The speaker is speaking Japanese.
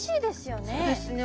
そうですね。